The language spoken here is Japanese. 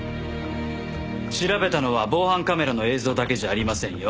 調べたのは防犯カメラの映像だけじゃありませんよ。